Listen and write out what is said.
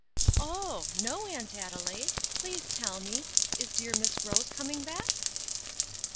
"Oh! no, Aunt Adelaide; please tell me. Is dear Miss Rose coming back?"